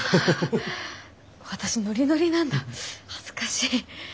あ私ノリノリなんだ恥ずかしい。